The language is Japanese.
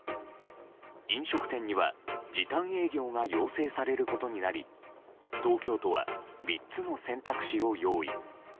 飲食店には時短営業が要請されることになり東京都は３つの選択肢を用意。